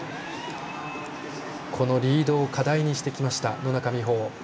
このリードを課題にしてきました、野中生萌。